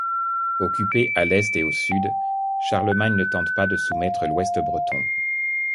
Occupé à l’Est et au Sud, Charlemagne ne tente pas de soumettre l’Ouest breton.